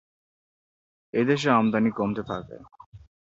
এ দেশে আমদানি কমতে থাকে।